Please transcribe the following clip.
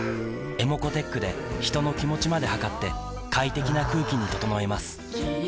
ｅｍｏｃｏーｔｅｃｈで人の気持ちまで測って快適な空気に整えます三菱電機